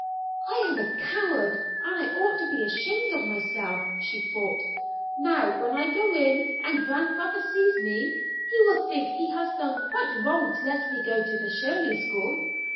"I am a coward, and I ought to be ashamed of myself," she thought. "Now, when I go in and grandfather sees me, he will think he has done quite wrong to let me go to the Shirley School.